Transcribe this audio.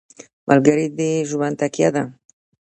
ملګری د ژوند تکیه ده.